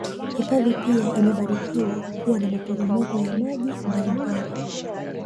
Hifadhi pia imebarikiwa kuwa na maporopoko ya maji mbali mbali